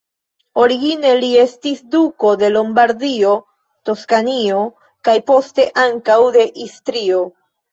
Origine, li estis duko de Lombardio, Toskanio kaj, poste, ankaŭ de Istrio.